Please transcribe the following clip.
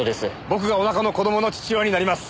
僕がおなかの子供の父親になります。